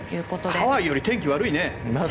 ハワイより天気悪いね。